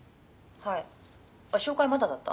「はいあっ紹介まだだった？」